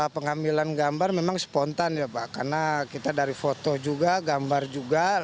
pengambilan gambar memang spontan ya pak karena kita dari foto juga gambar juga